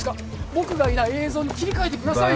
僕がいない映像に切り替えてくださいよ